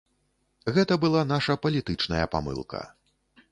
Гэта была наша палітычная памылка.